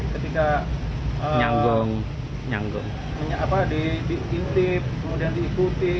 ketika diintip kemudian diikuti